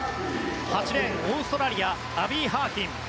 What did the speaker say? ８レーン、オーストラリアアビー・ハーキン。